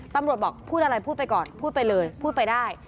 ตำรวจบอกพูดอะไรพูดไปก่อนพูดไปเลยพูดไปได้